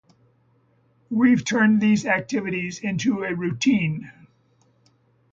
We've turned these activities into a routine.